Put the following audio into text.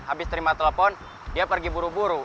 habis terima telepon dia pergi buru buru